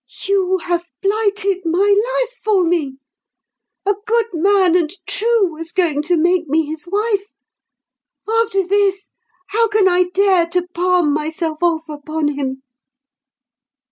"You have blighted my life for me. A good man and true was going to make me his wife. After this, how can I dare to palm myself off upon him?"